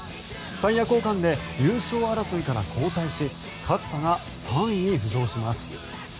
タイヤ交換で優勝争いから後退し勝田が３位に浮上します。